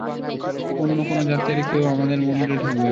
অন্য কোনো জাতের কেউ আমাদের মন্দিরে ঢুকবে না।